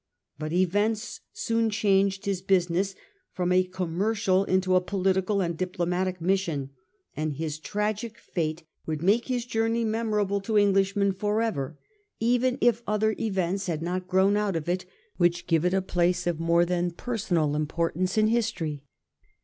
But events soon changed his busi ness from a commercial into a political and diplomatic mission ; and his tragic fate would make his journey VOL. X. Q 226 A HISTORY OF OUR OWN TIMES. on. xr. memorable to Englishmen for ever, even if other events had not grown out of it which give it a place of more than personal importance in history.